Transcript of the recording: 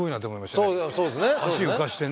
足浮かしてね。